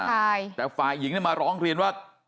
อ่าแต่ฝ่ายหญิงมาร้องเรียนว่า